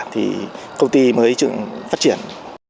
thì công ty mới phát triển